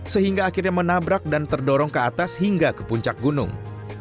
sehingga akhirnya menabrak dan terdorong ke atas hingga ke puncak gunung